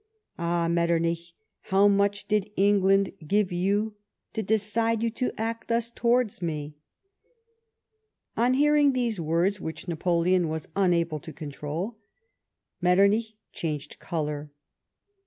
Aii ! Metternicli, how mucii did England give you to decide you to act thus towards me ?" On hearing these words, which Napoleon was unable to control, Metternich changed colour.